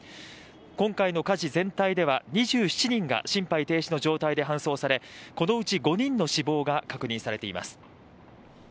今回の火事全体では２７人が心肺停止の状態で搬送され、このうち５人の死亡が確認されています。